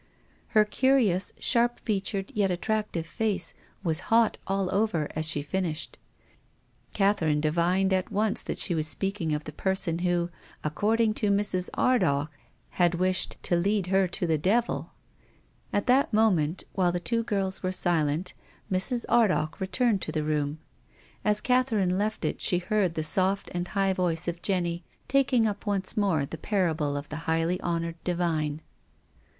Her curious, sharp featured, yet attractive, face was hot all over as she finished. Catherine divined at once that she was speaking of the person who, according to Mrs. Ardagh, had wished " to lead her to the devil." At this moment, while the two girls were silent, Mrs. Ardagh returned to the room. As Catherine left it she heard the soft and high V(jice of Jenny taking u[) once more the parable of the highly honoured divine.